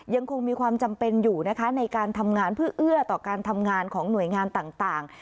ยังคงมีความจำเป็นอยู่นะคะในการทำงานเพื่อเอื้อต่อการทำงานของหน่วยงานต่าง